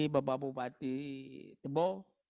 bapak bupati tebo